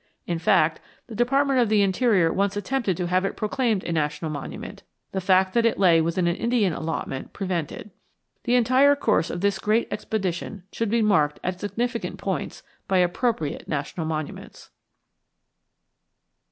In fact, the Department of the Interior once attempted to have it proclaimed a national monument; the fact that it lay within an Indian allotment prevented. The entire course of this great expedition should be marked at significant points by appropriate national monuments.